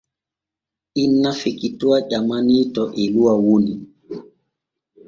Inna Fikituwa ƴamanii to Eluwa woni.